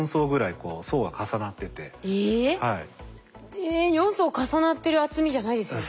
え４層重なってる厚みじゃないですよ全然。